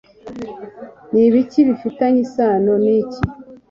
ni ibiki bifitanye isano n'iki?